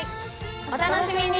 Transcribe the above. お楽しみに！